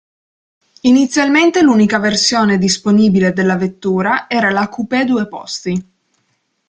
Inizialmente l'unica versione disponibile della vettura era la coupé due posti.